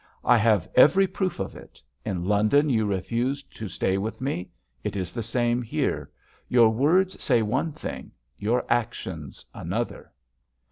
"I have every proof of it! In London you refused to stay with me; it is the same here. Your words say one thing—your actions another!"